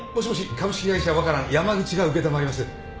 株式会社ワカラン山口が承ります。